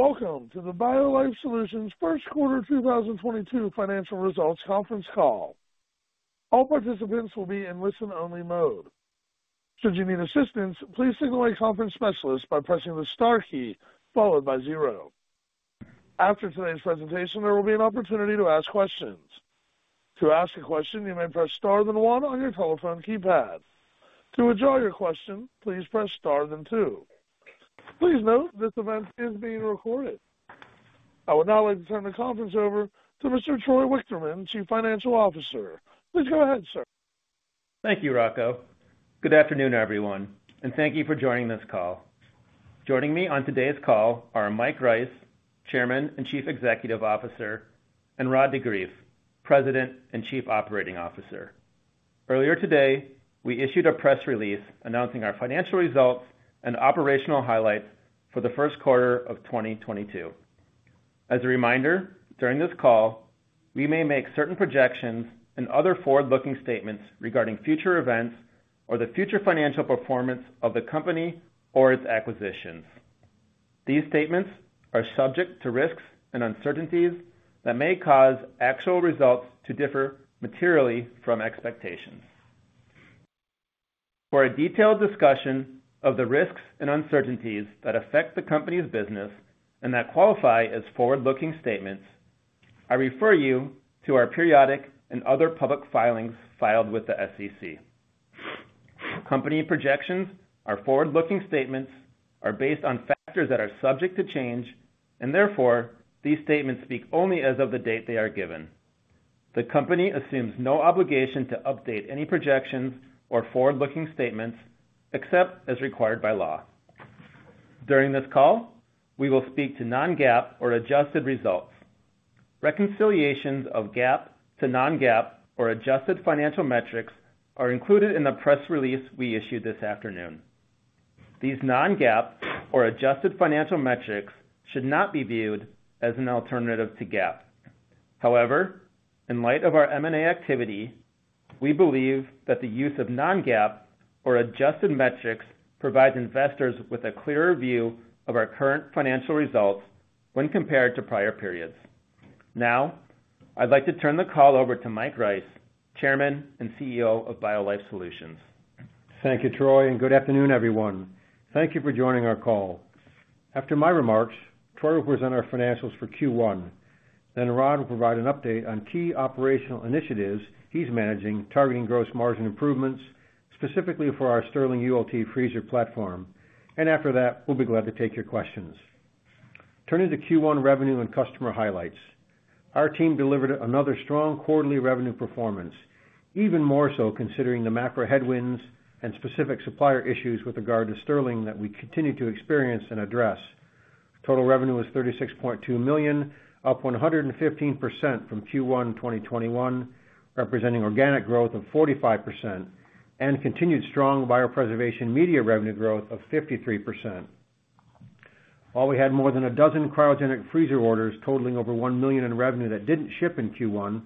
Welcome to the BioLife Solutions first quarter 2022 financial results conference call. All participants will be in listen-only mode. Should you need assistance, please signal a conference specialist by pressing the star key followed by zero. After today's presentation, there will be an opportunity to ask questions. To ask a question, you may press star then one on your telephone keypad. To withdraw your question, please press star then two. Please note this event is being recorded. I would now like to turn the conference over to Mr. Troy Wichterman, Chief Financial Officer. Please go ahead, sir. Thank you, Rocco. Good afternoon, everyone, and thank you for joining this call. Joining me on today's call are Mike Rice, Chairman and Chief Executive Officer, and Rod de Greef, President and Chief Operating Officer. Earlier today, we issued a press release announcing our financial results and operational highlights for the first quarter of 2022. As a reminder, during this call, we may make certain projections and other forward-looking statements regarding future events or the future financial performance of the company or its acquisitions. These statements are subject to risks and uncertainties that may cause actual results to differ materially from expectations. For a detailed discussion of the risks and uncertainties that affect the company's business and that qualify as forward-looking statements, I refer you to our periodic and other public filings filed with the SEC. Company projections or forward-looking statements are based on factors that are subject to change, and therefore, these statements speak only as of the date they are given. The company assumes no obligation to update any projections or forward-looking statements except as required by law. During this call, we will speak to non-GAAP or adjusted results. Reconciliations of GAAP to non-GAAP or adjusted financial metrics are included in the press release we issued this afternoon. These non-GAAP or adjusted financial metrics should not be viewed as an alternative to GAAP. However, in light of our M&A activity, we believe that the use of non-GAAP or adjusted metrics provides investors with a clearer view of our current financial results when compared to prior periods. Now, I'd like to turn the call over to Mike Rice, Chairman and CEO of BioLife Solutions. Thank you, Troy, and good afternoon, everyone. Thank you for joining our call. After my remarks, Troy will present our financials for Q1. Rod will provide an update on key operational initiatives he's managing, targeting gross margin improvements, specifically for our Stirling ULT freezer platform. After that, we'll be glad to take your questions. Turning to Q1 revenue and customer highlights. Our team delivered another strong quarterly revenue performance, even more so considering the macro headwinds and specific supplier issues with regard to Stirling that we continue to experience and address. Total revenue was $36.2 million, up 115% from Q1 2021, representing organic growth of 45% and continued strong biopreservation media revenue growth of 53%. While we had more than a dozen cryogenic freezer orders totaling over $1 million in revenue that didn't ship in Q1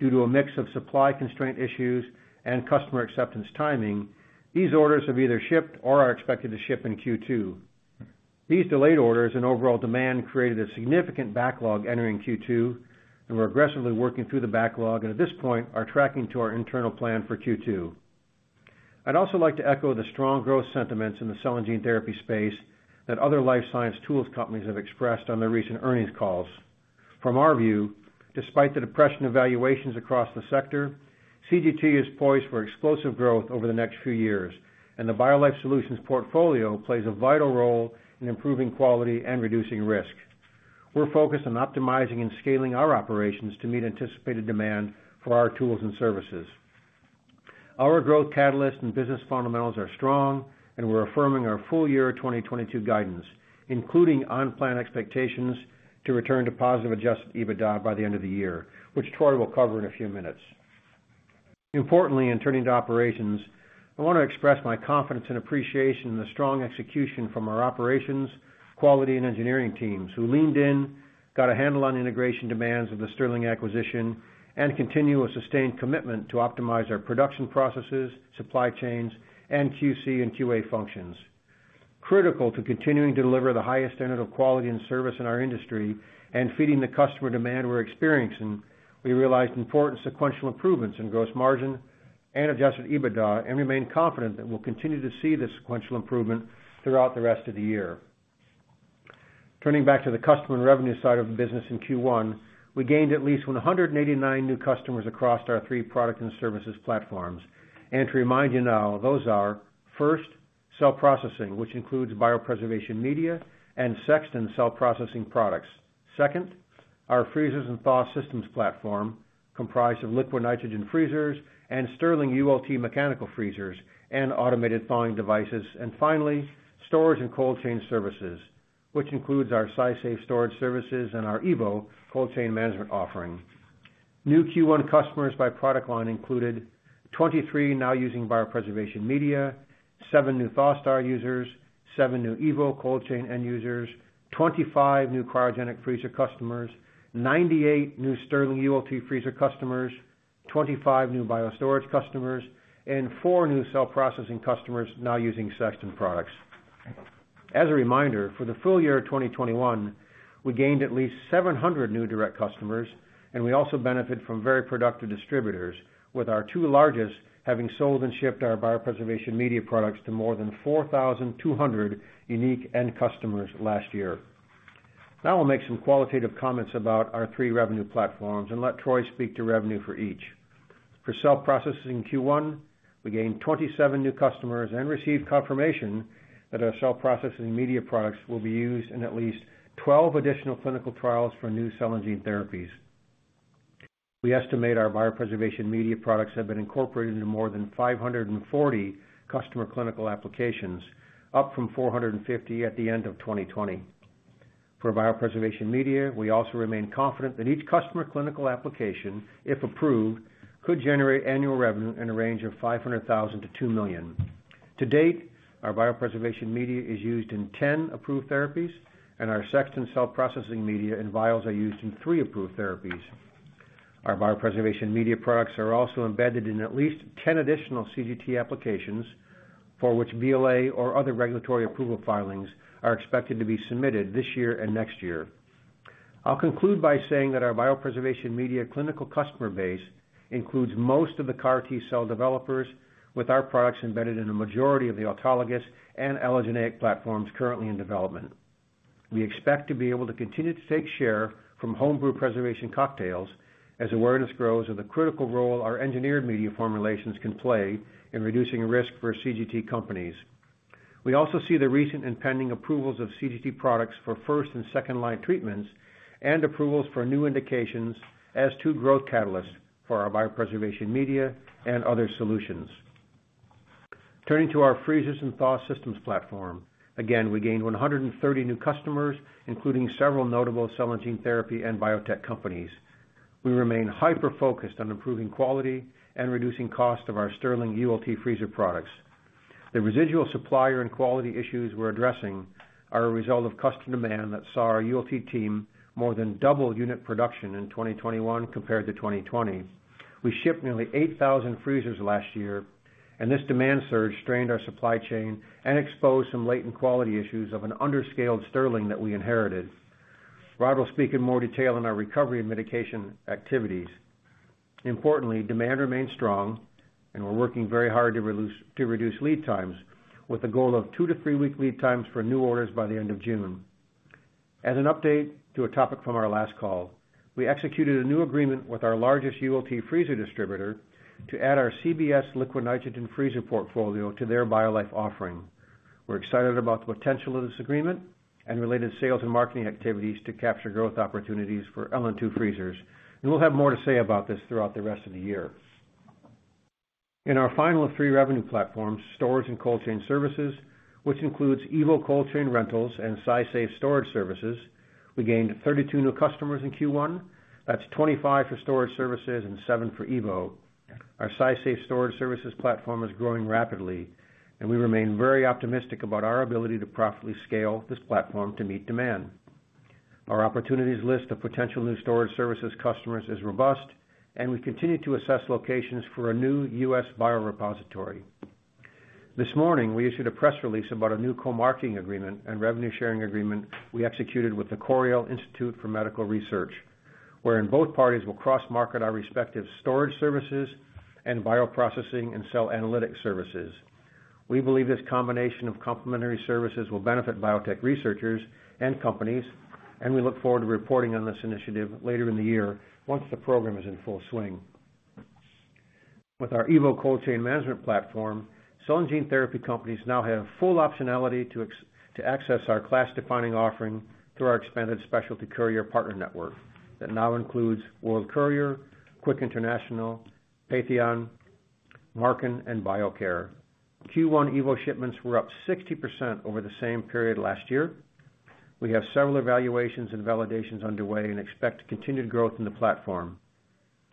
due to a mix of supply constraint issues and customer acceptance timing, these orders have either shipped or are expected to ship in Q2. These delayed orders and overall demand created a significant backlog entering Q2, and we're aggressively working through the backlog and at this point are tracking to our internal plan for Q2. I'd also like to echo the strong growth sentiments in the cell and gene therapy space that other life science tools companies have expressed on their recent earnings calls. From our view, despite the depressed valuations across the sector, CGT is poised for explosive growth over the next few years, and the BioLife Solutions portfolio plays a vital role in improving quality and reducing risk. We're focused on optimizing and scaling our operations to meet anticipated demand for our tools and services. Our growth catalyst and business fundamentals are strong, and we're affirming our full year 2022 guidance, including on-plan expectations to return to positive adjusted EBITDA by the end of the year, which Troy will cover in a few minutes. Importantly, in turning to operations, I want to express my confidence and appreciation in the strong execution from our operations, quality, and engineering teams who leaned in, got a handle on integration demands of the Stirling acquisition, and continue a sustained commitment to optimize our production processes, supply chains, and QC and QA functions. Critical to continuing to deliver the highest standard of quality and service in our industry and feeding the customer demand we're experiencing, we realized important sequential improvements in gross margin and adjusted EBITDA and remain confident that we'll continue to see this sequential improvement throughout the rest of the year. Turning back to the customer and revenue side of the business in Q1, we gained at least 189 new customers across our three product and services platforms. To remind you now, those are, first, cell processing, which includes biopreservation media, and Sexton cell processing products. Second, our freezers and thaw systems platform, comprised of liquid nitrogen freezers and Stirling ULT mechanical freezers and automated thawing devices. Finally, storage and cold chain services, which includes our SciSafe storage services and our evo Cold Chain management offering. New Q1 customers by product line included 23 now using biopreservation media, seven new ThawSTAR users, seven new evo Cold Chain end users, 25 new cryogenic freezer customers, 98 new Stirling ULT freezer customers. 25 new Biostorage customers and five new cell processing customers now using Sexton products. As a reminder, for the full year of 2021, we gained at least 700 new direct customers, and we also benefit from very productive distributors, with our two largest having sold and shipped our biopreservation media products to more than 4,200 unique end customers last year. Now I'll make some qualitative comments about our three revenue platforms and let Troy speak to revenue for each. For cell processing Q1, we gained 27 new customers and received confirmation that our cell processing media products will be used in at least 12 additional clinical trials for new cell and gene therapies. We estimate our biopreservation media products have been incorporated into more than 540 customer clinical applications, up from 450 at the end of 2020. For biopreservation media, we also remain confident that each customer clinical application, if approved, could generate annual revenue in a range of $500,000-$2 million. To date, our biopreservation media is used in 10 approved therapies, and our Sexton cell processing media and vials are used in three approved therapies. Our biopreservation media products are also embedded in at least 10 additional CGT applications for which BLA or other regulatory approval filings are expected to be submitted this year and next year. I'll conclude by saying that our biopreservation media clinical customer base includes most of the CAR-T Cell developers with our products embedded in a majority of the autologous and allogeneic platforms currently in development. We expect to be able to continue to take share from home brew preservation cocktails as awareness grows of the critical role our engineered media formulations can play in reducing risk for CGT companies. We also see the recent impending approvals of CGT products for first and second line treatments and approvals for new indications as two growth catalysts for our biopreservation media and other solutions. Turning to our freezers and thaw systems platform. Again, we gained 130 new customers, including several notable cell and gene therapy and biotech companies. We remain hyper focused on improving quality and reducing cost of our Stirling ULT freezer products. The residual supplier and quality issues we're addressing are a result of customer demand that saw our ULT team more than double unit production in 2021 compared to 2020. We shipped nearly 8,000 freezers last year, and this demand surge strained our supply chain and exposed some latent quality issues of an underscaled Stirling that we inherited. Rod will speak in more detail on our recovery and mitigation activities. Importantly, demand remains strong and we're working very hard to reduce lead times with a goal of two to three-week lead times for new orders by the end of June. As an update to a topic from our last call, we executed a new agreement with our largest ULT freezer distributor to add our CBS liquid nitrogen freezer portfolio to their BioLife offering. We're excited about the potential of this agreement and related sales and marketing activities to capture growth opportunities for LN2 freezers, and we'll have more to say about this throughout the rest of the year. In our final three revenue platforms, storage and cold chain services, which includes evo Cold Chain rentals and SciSafe storage services, we gained 32 new customers in Q1. That's 25 for storage services and seven for evo. Our SciSafe storage services platform is growing rapidly, and we remain very optimistic about our ability to profitably scale this platform to meet demand. Our opportunities list of potential new storage services customers is robust, and we continue to assess locations for a new U.S. biorepository. This morning, we issued a press release about a new co-marketing agreement and revenue sharing agreement we executed with the Coriell Institute for Medical Research, wherein both parties will cross market our respective storage services and bioprocessing and cell analytic services. We believe this combination of complementary services will benefit biotech researchers and companies, and we look forward to reporting on this initiative later in the year once the program is in full swing. With our evo Cold Chain management platform, cell and gene therapy companies now have full optionality to access our class defining offering through our expanded specialty courier partner network that now includes World Courier, Quick International, Patheon, Marken, and Biocair. Q1 evo shipments were up 60% over the same period last year. We have several evaluations and validations underway and expect continued growth in the platform.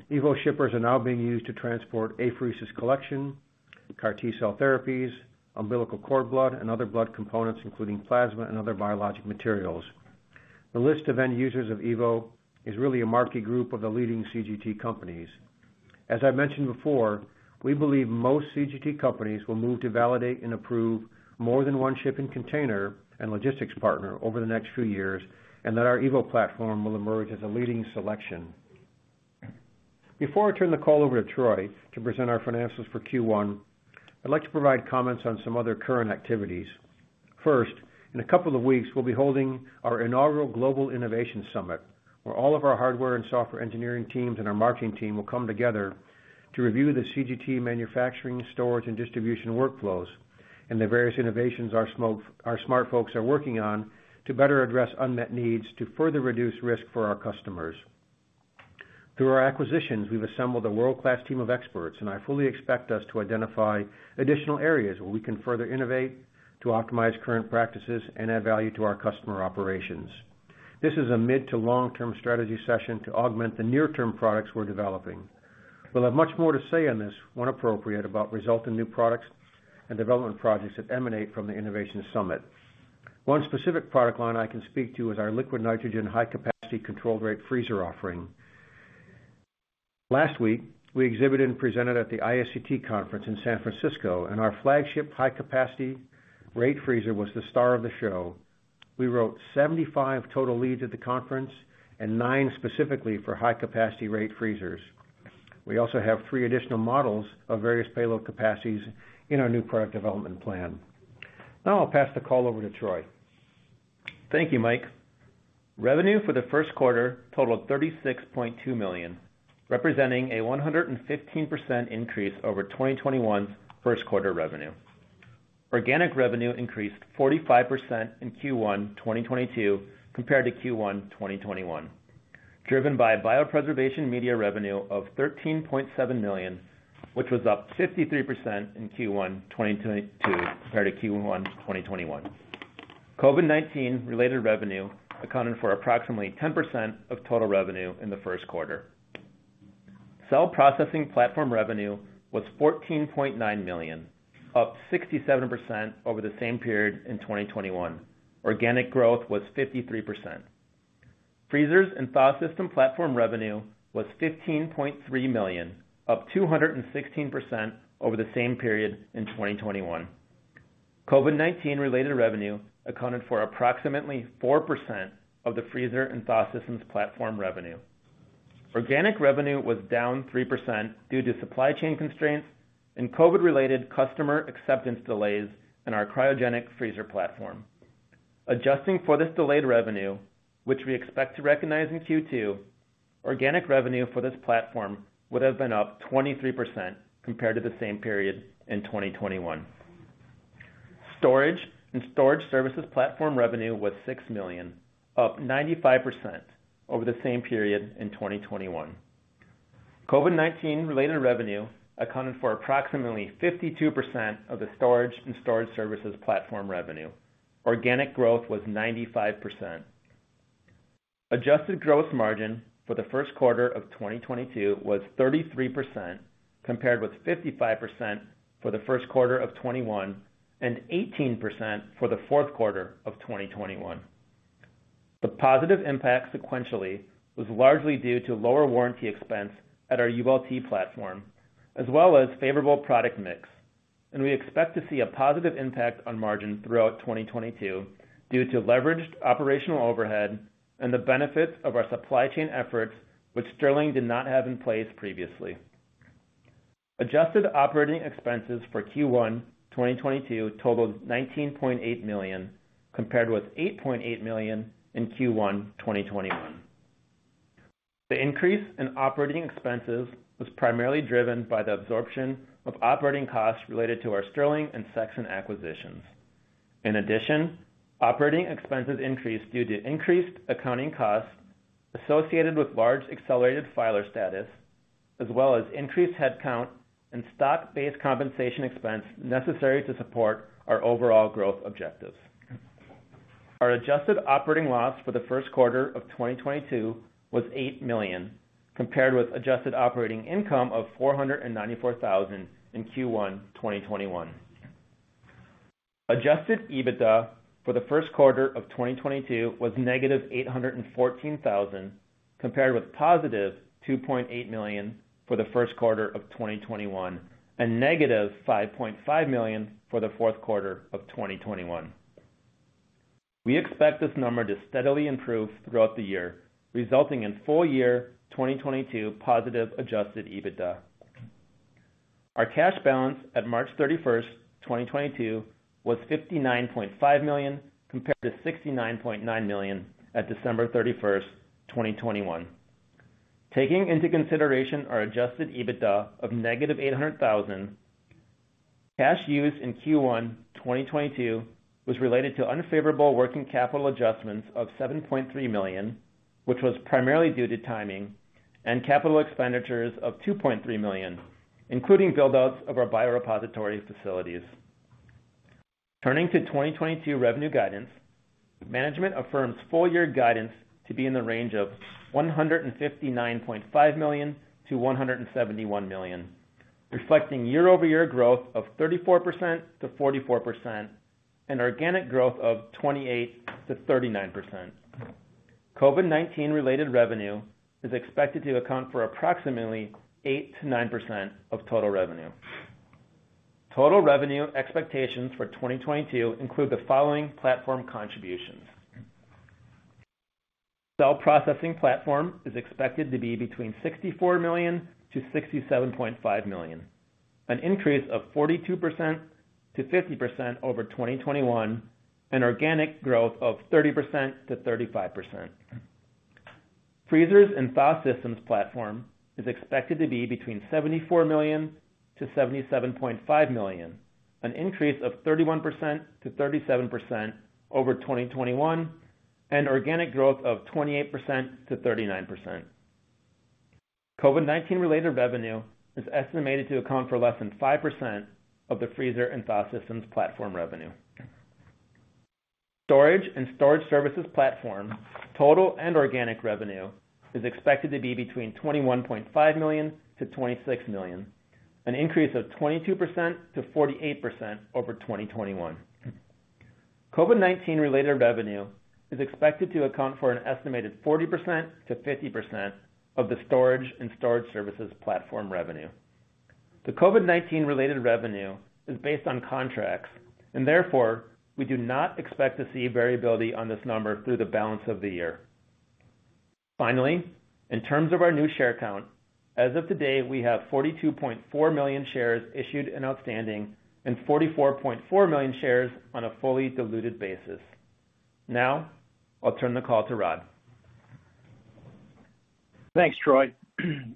evo shippers are now being used to transport apheresis collection, CAR-T Cell therapies, umbilical cord blood, and other blood components, including plasma and other biologic materials. The list of end users of evo is really a marquee group of the leading CGT companies. As I mentioned before, we believe most CGT companies will move to validate and approve more than one shipping container and logistics partner over the next few years, and that our evo platform will emerge as a leading selection. Before I turn the call over to Troy to present our financials for Q1, I'd like to provide comments on some other current activities. First, in a couple of weeks, we'll be holding our inaugural Global Innovation Summit, where all of our hardware and software engineering teams and our marketing team will come together to review the CGT manufacturing, storage, and distribution workflows and the various innovations our smart folks are working on to better address unmet needs to further reduce risk for our customers. Through our acquisitions, we've assembled a world-class team of experts, and I fully expect us to identify additional areas where we can further innovate to optimize current practices and add value to our customer operations. This is a mid to long-term strategy session to augment the near term products we're developing. We'll have much more to say on this when appropriate about resulting new products and development projects that emanate from the innovation summit. One specific product line I can speak to is our liquid nitrogen high-capacity controlled-rate freezer offering. Last week, we exhibited and presented at the ISCT conference in San Francisco, and our flagship high-capacity controlled-rate freezer was the star of the show. We wrote 75 total leads at the conference and nine specifically for high-capacity controlled-rate freezers. We also have three additional models of various payload capacities in our new product development plan. Now I'll pass the call over to Troy. Thank you, Mike. Revenue for the first quarter totaled $36.2 million, representing a 115% increase over 2021's first quarter revenue. Organic revenue increased 45% in Q1 2022 compared to Q1 2021, driven by biopreservation media revenue of $13.7 million, which was up 53% in Q1 2022 compared to Q1 2021. COVID-19 related revenue accounted for approximately 10% of total revenue in the first quarter. Cell processing platform revenue was $14.9 million, up 67% over the same period in 2021. Organic growth was 53%. Freezers and Thaw Systems platform revenue was $15.3 million, up 216% over the same period in 2021. COVID-19 related revenue accounted for approximately 4% of the freezer and thaw systems platform revenue. Organic revenue was down 3% due to supply chain constraints and COVID-related customer acceptance delays in our cryogenic freezer platform. Adjusting for this delayed revenue, which we expect to recognize in Q2, organic revenue for this platform would have been up 23% compared to the same period in 2021. Storage and storage services platform revenue was $6 million, up 95% over the same period in 2021. COVID-19 related revenue accounted for approximately 52% of the storage and storage services platform revenue. Organic growth was 95%. Adjusted gross margin for the first quarter of 2022 was 33%, compared with 55% for the first quarter of 2021 and 18% for the fourth quarter of 2021. The positive impact sequentially was largely due to lower warranty expense at our ULT platform, as well as favorable product mix, and we expect to see a positive impact on margins throughout 2022 due to leveraged operational overhead and the benefits of our supply chain efforts, which Stirling did not have in place previously. Adjusted operating expenses for Q1 2022 totaled $19.8 million, compared with $8.8 million in Q1 2021. The increase in operating expenses was primarily driven by the absorption of operating costs related to our Stirling and Sexton acquisitions. In addition, operating expenses increased due to increased accounting costs associated with large accelerated filer status, as well as increased headcount and stock-based compensation expense necessary to support our overall growth objectives. Our adjusted operating loss for the first quarter of 2022 was $8 million, compared with adjusted operating income of $494,000 in Q1 2021. Adjusted EBITDA for the first quarter of 2022 was -$814,000, compared with +$2.8 million for the first quarter of 2021 and -$5.5 million for the fourth quarter of 2021. We expect this number to steadily improve throughout the year, resulting in full year 2022 positive adjusted EBITDA. Our cash balance at March 31st, 2022 was $59.5 million, compared to $69.9 million at December 31st, 2021. Taking into consideration our adjusted EBITDA of -$800,000, cash used in Q1 2022 was related to unfavorable working capital adjustments of $7.3 million, which was primarily due to timing and capital expenditures of $2.3 million, including build-outs of our biorepository facilities. Turning to 2022 revenue guidance, management affirms full year guidance to be in the range of $159.5 million-$171 million, reflecting year-over-year growth of 34%-44% and organic growth of 28%-39%. COVID-19 related revenue is expected to account for approximately 8%-9% of total revenue. Total revenue expectations for 2022 include the following platform contributions. Cell Processing platform is expected to be between $64 million-$67.5 million, an increase of 42%-50% over 2021 and organic growth of 30%-35%. Freezers and Thaw Systems platform is expected to be between $74 million-$77.5 million, an increase of 31%-37% over 2021 and organic growth of 28%-39%. COVID-19 related revenue is estimated to account for less than 5% of the Freezers and Thaw Systems platform revenue. Storage and Storage Services platform, total and organic revenue is expected to be between $21.5 million-$26 million. An increase of 22%-48% over 2021. COVID-19 related revenue is expected to account for an estimated 40%-50% of the storage and storage services platform revenue. The COVID-19 related revenue is based on contracts and therefore we do not expect to see variability on this number through the balance of the year. Finally, in terms of our new share count, as of today, we have 42.4 million shares issued and outstanding and 44.4 million shares on a fully diluted basis. Now I'll turn the call to Rod. Thanks, Troy.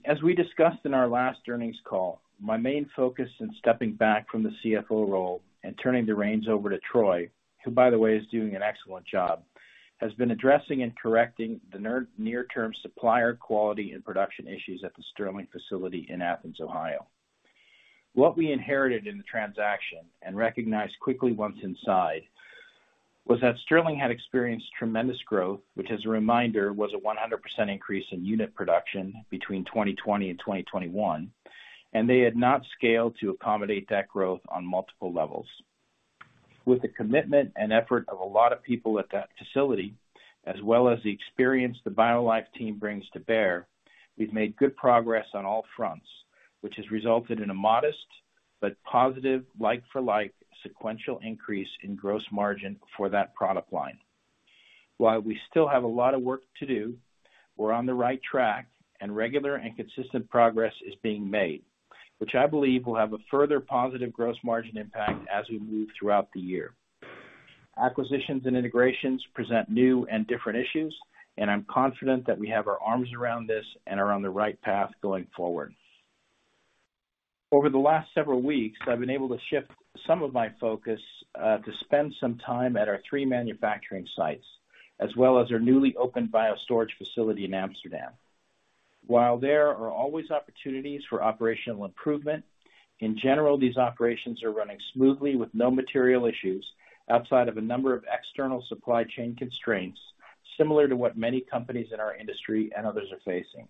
As we discussed in our last earnings call, my main focus in stepping back from the CFO role and turning the reins over to Troy, who by the way is doing an excellent job, has been addressing and correcting the near-term supplier quality and production issues at the Stirling facility in Athens, Ohio. What we inherited in the transaction, and recognized quickly once inside, was that Stirling had experienced tremendous growth, which as a reminder, was a 100% increase in unit production between 2020 and 2021, and they had not scaled to accommodate that growth on multiple levels. With the commitment and effort of a lot of people at that facility, as well as the experience the BioLife team brings to bear, we've made good progress on all fronts, which has resulted in a modest but positive like for like sequential increase in gross margin for that product line. While we still have a lot of work to do, we're on the right track and regular and consistent progress is being made, which I believe will have a further positive gross margin impact as we move throughout the year. Acquisitions and integrations present new and different issues, and I'm confident that we have our arms around this and are on the right path going forward. Over the last several weeks, I've been able to shift some of my focus to spend some time at our three manufacturing sites as well as our newly opened Biostorage facility in Amsterdam. While there are always opportunities for operational improvement, in general, these operations are running smoothly with no material issues outside of a number of external supply chain constraints, similar to what many companies in our industry and others are facing.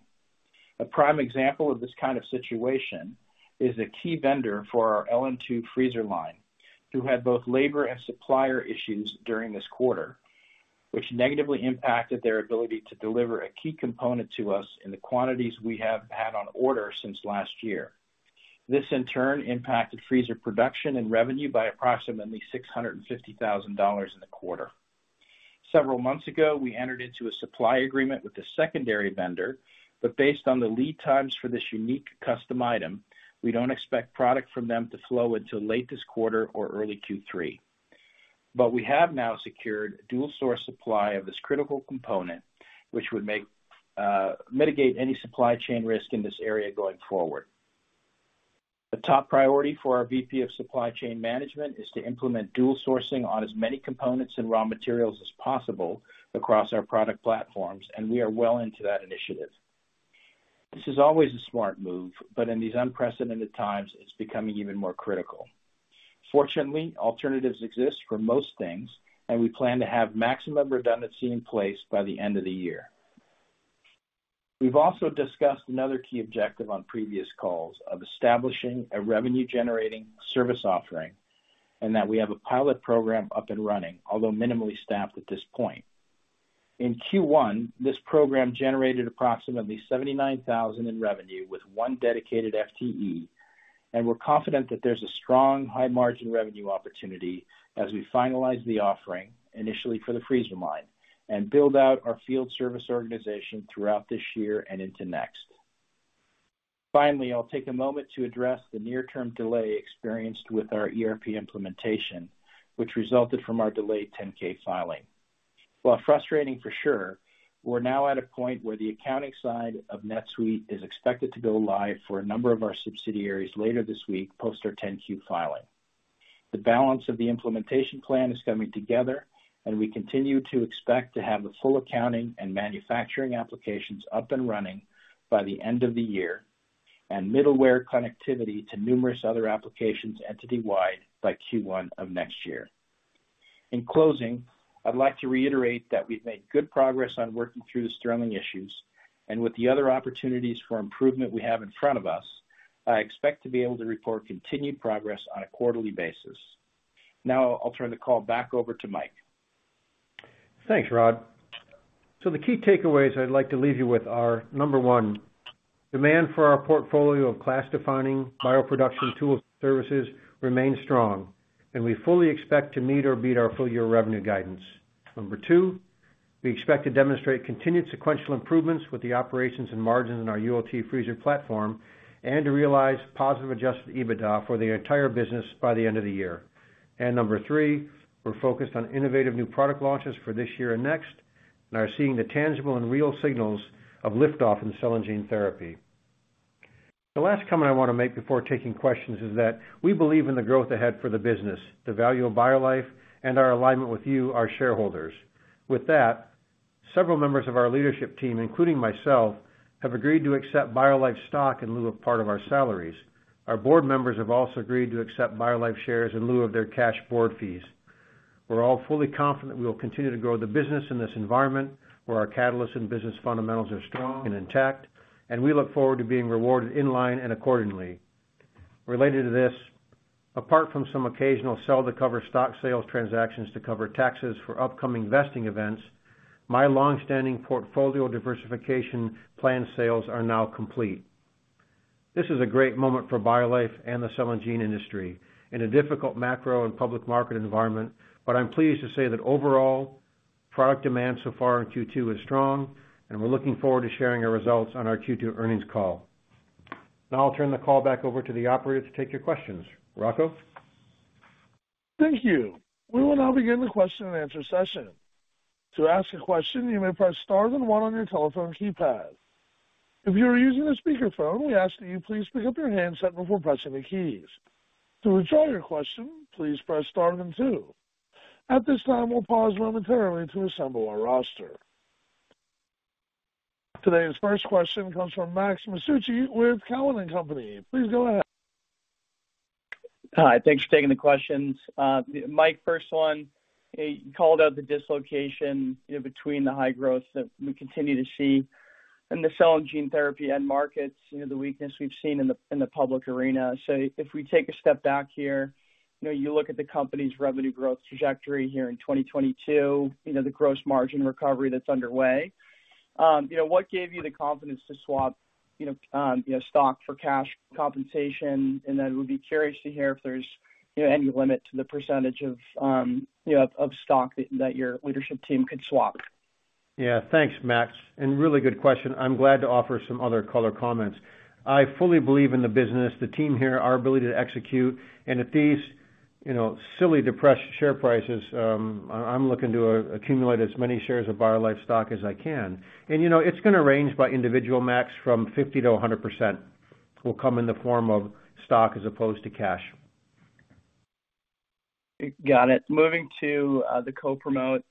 A prime example of this kind of situation is a key vendor for our LN2 freezer line, who had both labor and supplier issues during this quarter, which negatively impacted their ability to deliver a key component to us in the quantities we have had on order since last year. This, in turn, impacted freezer production and revenue by approximately $650,000 in the quarter. Several months ago, we entered into a supply agreement with the secondary vendor, but based on the lead times for this unique custom item, we don't expect product from them to flow until late this quarter or early Q3. We have now secured dual source supply of this critical component, which would mitigate any supply chain risk in this area going forward. The top priority for our VP of Supply Chain Management is to implement dual sourcing on as many components and raw materials as possible across our product platforms, and we are well into that initiative. This is always a smart move, but in these unprecedented times it's becoming even more critical. Fortunately, alternatives exist for most things, and we plan to have maximum redundancy in place by the end of the year. We've also discussed another key objective on previous calls of establishing a revenue generating service offering and that we have a pilot program up and running, although minimally staffed at this point. In Q1, this program generated approximately $79,000 in revenue with one dedicated FTE. We're confident that there's a strong high margin revenue opportunity as we finalize the offering initially for the freezer line and build out our field service organization throughout this year and into next. Finally, I'll take a moment to address the near term delay experienced with our ERP implementation, which resulted from our delayed 10-K filing. While frustrating for sure, we're now at a point where the accounting side of NetSuite is expected to go live for a number of our subsidiaries later this week post our 10-Q filing. The balance of the implementation plan is coming together and we continue to expect to have the full accounting and manufacturing applications up and running by the end of the year, and middleware connectivity to numerous other applications entity-wide by Q1 of next year. In closing, I'd like to reiterate that we've made good progress on working through the Stirling issues and with the other opportunities for improvement we have in front of us. I expect to be able to report continued progress on a quarterly basis. Now I'll turn the call back over to Mike. Thanks, Rod. The key takeaways I'd like to leave you with are, number one, demand for our portfolio of class defining bioproduction tools services remains strong, and we fully expect to meet or beat our full year revenue guidance. Number two, we expect to demonstrate continued sequential improvements with the operations and margins in our ULT freezer platform and to realize positive adjusted EBITDA for the entire business by the end of the year. Number three, we're focused on innovative new product launches for this year and next, and are seeing the tangible and real signals of liftoff in cell and gene therapy. The last comment I want to make before taking questions is that we believe in the growth ahead for the business, the value of BioLife and our alignment with you, our shareholders. With that, several members of our leadership team, including myself, have agreed to accept BioLife's stock in lieu of part of our salaries. Our board members have also agreed to accept BioLife shares in lieu of their cash board fees. We're all fully confident we will continue to grow the business in this environment where our catalysts and business fundamentals are strong and intact, and we look forward to being rewarded in line and accordingly. Related to this, apart from some occasional sell to cover stock sales transactions to cover taxes for upcoming vesting events, my long-standing portfolio diversification plan sales are now complete. This is a great moment for BioLife and the cell and gene industry in a difficult macro and public market environment. I'm pleased to say that overall product demand so far in Q2 is strong, and we're looking forward to sharing our results on our Q2 earnings call. Now I'll turn the call back over to the operator to take your questions. Rocco? Thank you. We will now begin the question and answer session. To ask a question, you may press Star and one on your telephone keypad. If you are using a speakerphone, we ask that you please pick up your handset before pressing the keys. To withdraw your question, please press Star then two. At this time, we'll pause momentarily to assemble our roster. Today's first question comes from Max Masucci with Cowen and Company. Please go ahead. Hi, thanks for taking the questions. Mike, first one, you called out the dislocation between the high growth that we continue to see in the cell and gene therapy end markets, the weakness we've seen in the public arena. If we take a step back here, you look at the company's revenue growth trajectory here in 2022, the gross margin recovery that's underway, what gave you the confidence to swap stock for cash compensation? Would be curious to hear if there's any limit to the percentage of stock that your leadership team could swap. Yeah. Thanks, Max, and really good question. I'm glad to offer some other color comments. I fully believe in the business, the team here, our ability to execute. At these silly depressed share prices, I'm looking to accumulate as many shares of BioLife stock as I can. It's going to range by individual, Max, from 50%-100% will come in the form of stock as opposed to cash. Got it. Moving to the co-promote,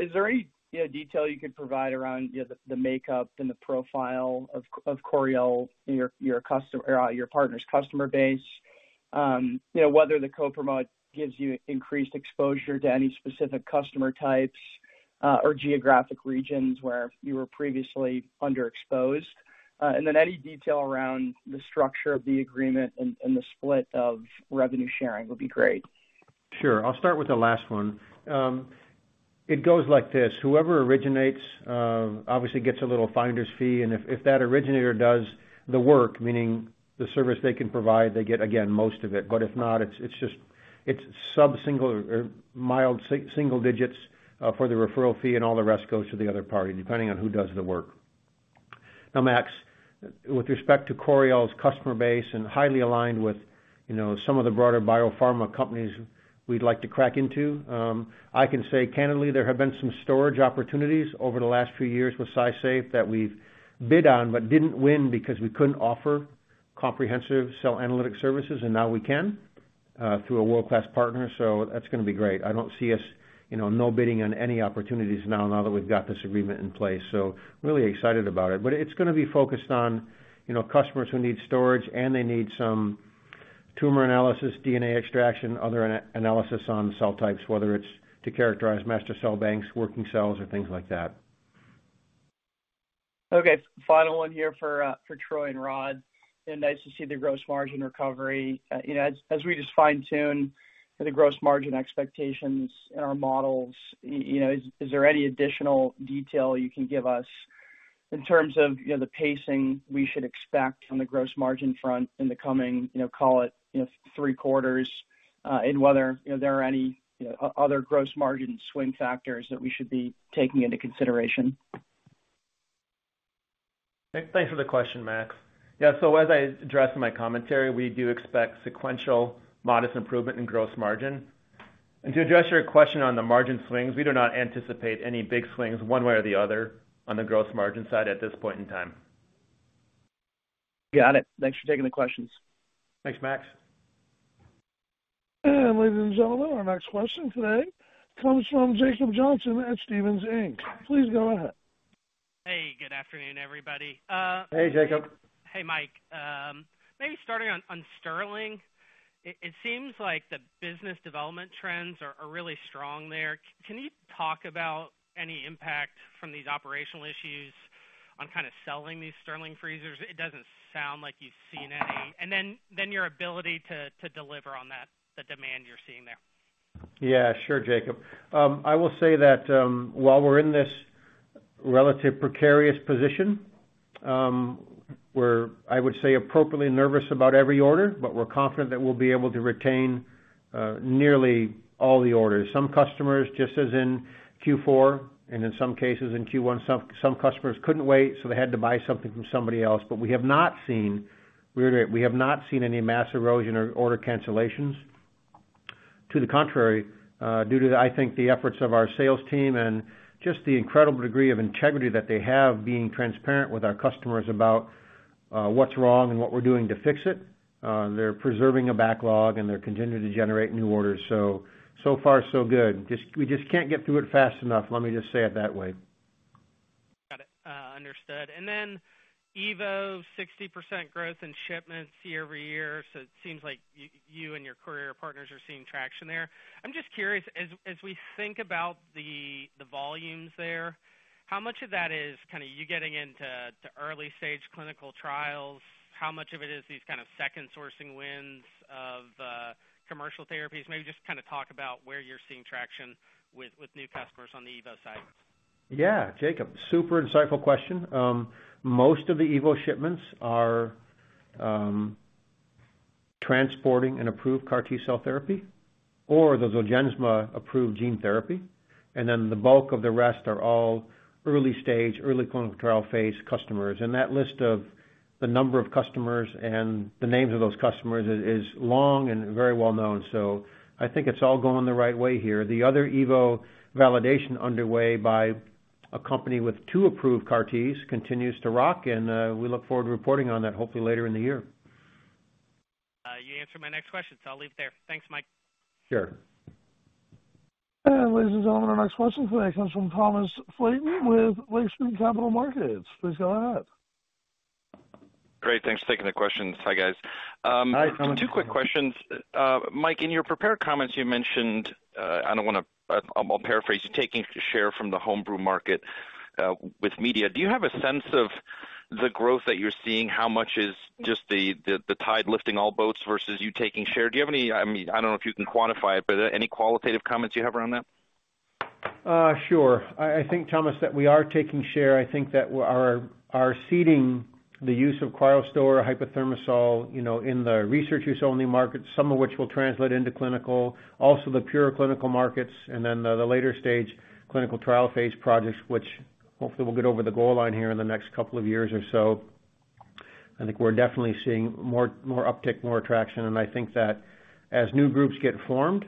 is there any detail you could provide around the makeup and the profile of Coriell in your customer, your partner's customer base, whether the co-promote gives you increased exposure to any specific customer types, or geographic regions where you were previously underexposed? Any detail around the structure of the agreement and the split of revenue sharing would be great. Sure. I'll start with the last one. It goes like this. Whoever originates obviously gets a little finder's fee, and if that originator does the work, meaning the service they can provide, they get, again, most of it. But if not, it's just mid-single digits for the referral fee, and all the rest goes to the other party, depending on who does the work. Now, Max, with respect to Coriell's customer base and highly aligned with some of the broader biopharma companies we'd like to crack into, I can say candidly, there have been some storage opportunities over the last few years with SciSafe that we've bid on but didn't win because we couldn't offer comprehensive cell analytics services, and now we can through a world-class partner. That's going to be great. I don't see us no bidding on any opportunities now that we've got this agreement in place. Really excited about it. It's going to be focused on customers who need storage and they need some tumor analysis, DNA extraction, other analysis on cell types, whether it's to characterize master cell banks, working cells, or things like that. Okay, final one here for Troy and Rod. Nice to see the gross margin recovery. As we just fine-tune the gross margin expectations in our models, you know, is there any additional detail you can give us in terms of, you know, the pacing we should expect on the gross margin front in the coming, you know, call it, you know, three quarters, and whether, you know, there are any other gross margin swing factors that we should be taking into consideration? Thanks for the question, Max. Yeah, so as I addressed in my commentary, we do expect sequential modest improvement in gross margin. To address your question on the margin swings, we do not anticipate any big swings one way or the other on the gross margin side at this point in time. Got it. Thanks for taking the questions. Thanks, Max. Ladies and gentlemen, our next question today comes from Jacob Johnson at Stephens Inc. Please go ahead. Hey, good afternoon, everybody. Hey, Jacob. Hey, Mike. Maybe starting on Stirling, it seems like the business development trends are really strong there. Can you talk about any impact from these operational issues on selling these Stirling freezers? It doesn't sound like you've seen any. Your ability to deliver on that, the demand you're seeing there. Yeah, sure, Jacob. I will say that while we're in this relatively precarious position, we're, I would say, appropriately nervous about every order, but we're confident that we'll be able to retain nearly all the orders. Some customers, just as in Q4 and in some cases in Q1, some customers couldn't wait, so they had to buy something from somebody else. We have not seen any mass erosion or order cancellations. To the contrary, due to, I think, the efforts of our sales team and just the incredible degree of integrity that they have being transparent with our customers about what's wrong and what we're doing to fix it, they're preserving a backlog and they're continuing to generate new orders. Far so good. We just can't get through it fast enough, let me just say it that way. Understood. evo 60% growth in shipments year-over-year. It seems like you and your carrier partners are seeing traction there. I'm just curious, as we think about the volumes there, how much of that is kinda you getting into early stage clinical trials? How much of it is these kind of second sourcing wins of commercial therapies? Maybe just kinda talk about where you're seeing traction with new customers on the evo side. Yeah. Jacob, super insightful question. Most of the evo shipments are transporting an approved CAR-T Cell therapy or the Zolgensma approved gene therapy, and then the bulk of the rest are all early stage, early clinical trial phase customers. That list of the number of customers and the names of those customers is long and very well-known. I think it's all going the right way here. The other evo validation underway by a company with two approved CAR-Ts continues to rock, and we look forward to reporting on that hopefully later in the year. You answered my next question, so I'll leave it there. Thanks, Mike. Sure. Ladies and gentlemen, our next question today comes from Thomas Flaten with Lake Street Capital Markets. Please go ahead. Great. Thanks for taking the questions. Hi, guys. Hi, Thomas. Two quick questions. Mike, in your prepared comments, you mentioned, I'm gonna paraphrase. You're taking share from the home brew market with media. Do you have a sense of the growth that you're seeing? How much is just the tide lifting all boats versus you taking share? Do you have any? I mean, I don't know if you can quantify it, but any qualitative comments you have around that? Sure. I think, Thomas, that we are taking share. I think that our seeding the use of CryoStor or HypoThermosol, you know, in the research use only market, some of which will translate into clinical, also the pure clinical markets, and then the later stage clinical trial phase projects, which hopefully will get over the goal line here in the next couple of years or so. I think we're definitely seeing more uptick, more traction, and I think that as new groups get formed,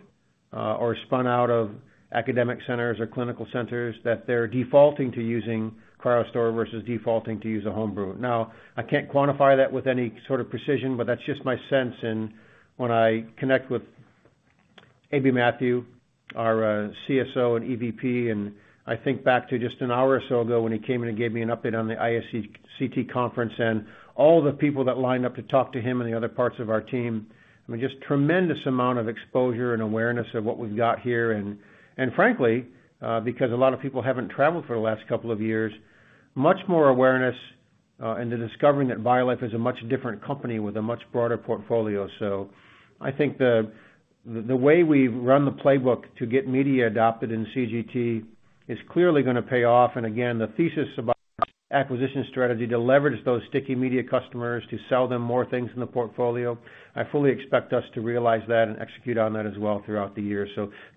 or spun out of academic centers or clinical centers, that they're defaulting to using CryoStor versus defaulting to use a home brew. Now, I can't quantify that with any sort of precision, but that's just my sense. When I connect with Aby Mathew, our CSO and EVP, and I think back to just an hour or so ago when he came in and gave me an update on the ISCT conference and all the people that lined up to talk to him and the other parts of our team, I mean, just tremendous amount of exposure and awareness of what we've got here. Frankly, because a lot of people haven't traveled for the last couple of years, much more awareness, and the discovering that BioLife is a much different company with a much broader portfolio. I think the way we've run the playbook to get media adopted in CGT is clearly gonna pay off, and again, the thesis about acquisition strategy to leverage those sticky media customers to sell them more things in the portfolio. I fully expect us to realize that and execute on that as well throughout the year.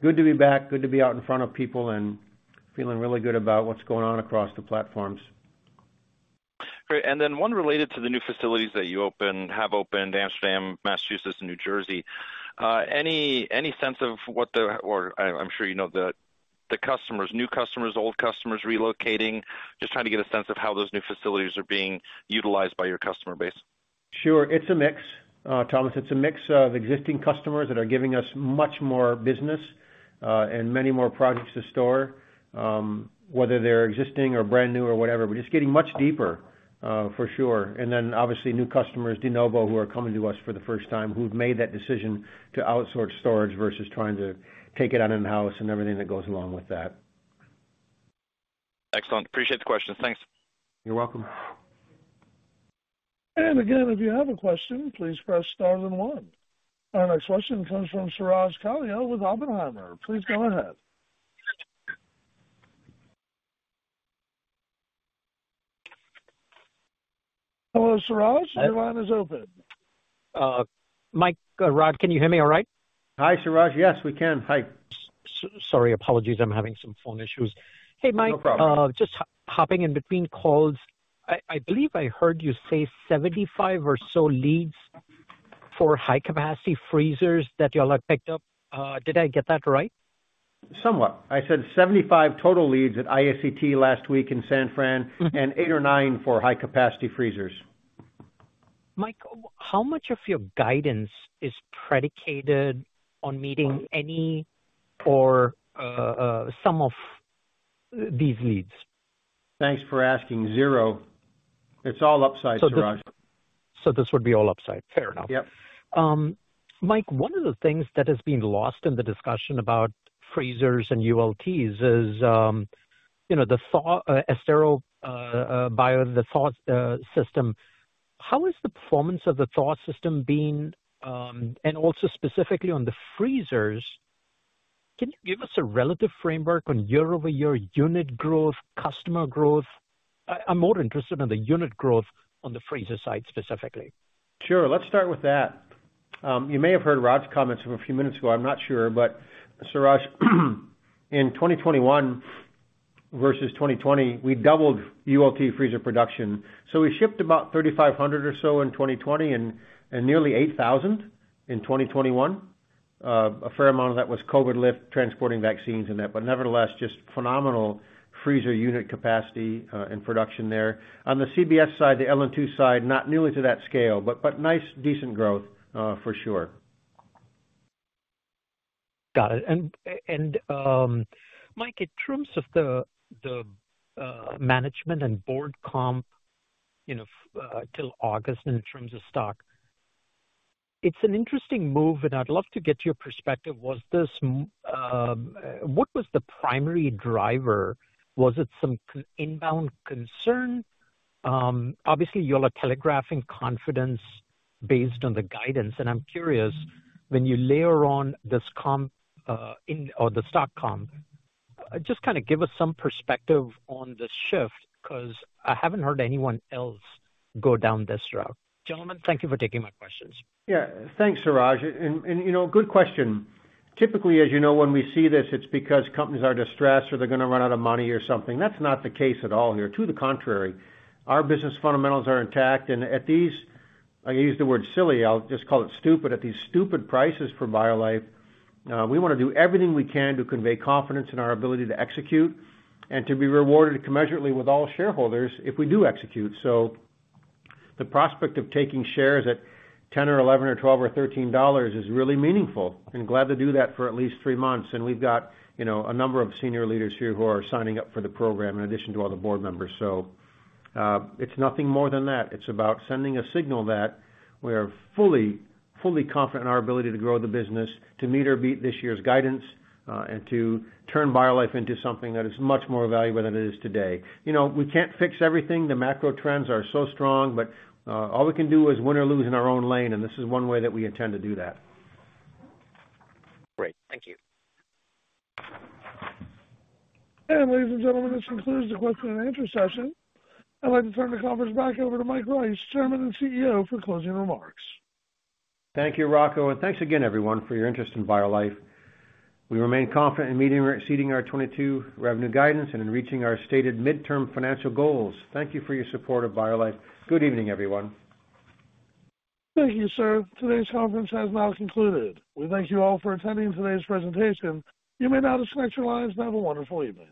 Good to be back, good to be out in front of people and feeling really good about what's going on across the platforms. Great. One related to the new facilities that you have opened, Amsterdam, Massachusetts and New Jersey. Any sense of what the or I'm sure you know the customers, new customers, old customers relocating. Just trying to get a sense of how those new facilities are being utilized by your customer base. Sure. It's a mix, Thomas. It's a mix of existing customers that are giving us much more business, and many more projects to store, whether they're existing or brand new or whatever. We're just getting much deeper, for sure. Then obviously new customers de novo who are coming to us for the first time, who've made that decision to outsource storage versus trying to take it on in-house and everything that goes along with that. Excellent. Appreciate the questions. Thanks. You're welcome. Again, if you have a question, please press star then one. Our next question comes from Suraj Kalia with Oppenheimer. Please go ahead. Hello, Suraj, your line is open. Mike, Rod, can you hear me all right? Hi, Suraj. Yes, we can. Hi. Sorry, apologies, I'm having some phone issues. Hey, Mike. No problem. Just hopping in between calls. I believe I heard you say 75 or so leads for high capacity freezers that y'all have picked up. Did I get that right? Somewhat. I said 75 total leads at ISCT last week in San Fran, and eight or nine for high capacity freezers. Mike, how much of your guidance is predicated on meeting any or some of these leads? Thanks for asking. Zero. It's all upside, Suraj. This would be all upside. Fair enough. Yep. Mike, one of the things that has been lost in the discussion about freezers and ULTs is, you know, the ThawSTAR system. How has the performance of the Thaw system been, and also specifically on the freezers, can you give us a relative framework on year-over-year unit growth, customer growth? I'm more interested in the unit growth on the freezer side specifically. Sure. Let's start with that. You may have heard Rod's comments from a few minutes ago, I'm not sure, but Suraj, in 2021 versus 2020, we doubled ULT freezer production. We shipped about 3,500 or so in 2020 and nearly 8,000 in 2021. A fair amount of that was COVID, like transporting vaccines and that, but nevertheless, just phenomenal freezer unit capacity and production there. On the CBS side, the LN2 side, not nearly to that scale, but nice, decent growth, for sure. Got it. Mike, in terms of the management and board comp, you know, till August in terms of stock, it's an interesting move, and I'd love to get your perspective. Was this what was the primary driver? Was it some inbound concern? Obviously, you all are telegraphing confidence based on the guidance, and I'm curious, when you layer on this comp in or the stock comp, just kinda give us some perspective on the shift, 'cause I haven't heard anyone else go down this route. Gentlemen, thank you for taking my questions. Yeah. Thanks, Suraj. You know, good question. Typically, as you know, when we see this, it's because companies are distressed or they're gonna run out of money or something. That's not the case at all here. To the contrary, our business fundamentals are intact. At these, I use the word silly, I'll just call it stupid, at these stupid prices for BioLife, we wanna do everything we can to convey confidence in our ability to execute and to be rewarded commensurately with all shareholders if we do execute. The prospect of taking shares at $10 or $11 or $12 or $13 is really meaningful. I'm glad to do that for at least three months. We've got, you know, a number of senior leaders here who are signing up for the program in addition to all the board members. It's nothing more than that. It's about sending a signal that we are fully confident in our ability to grow the business, to meet or beat this year's guidance, and to turn BioLife into something that is much more valuable than it is today. You know, we can't fix everything. The macro trends are so strong. All we can do is win or lose in our own lane, and this is one way that we intend to do that. Great. Thank you. Ladies and gentlemen, this concludes the question and answer session. I'd like to turn the conference back over to Mike Rice, Chairman and CEO, for closing remarks. Thank you, Rocco. Thanks again, everyone, for your interest in BioLife. We remain confident in meeting or exceeding our 2022 revenue guidance and in reaching our stated midterm financial goals. Thank you for your support of BioLife. Good evening, everyone. Thank you, sir. Today's conference has now concluded. We thank you all for attending today's presentation. You may now disconnect your lines, and have a wonderful evening.